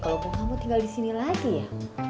kalo gue ga mau tinggal disini lagi ya